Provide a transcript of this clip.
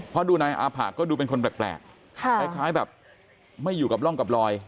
เพราะดูนายอาผะก็ดูเป็นคนแปลกคล้ายแบบไม่อยู่กับร่องกับลอย